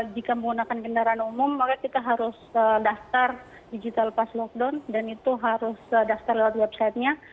jika menggunakan kendaraan umum maka kita harus daftar digital pas lockdown dan itu harus daftar lewat websitenya